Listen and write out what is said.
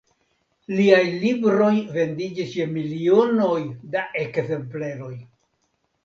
Liaj libroj vendiĝis je milionoj da ekzempleroj.